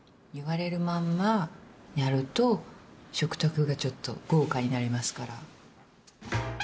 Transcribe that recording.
言われるまんまやると食卓がちょっと豪華になりますから。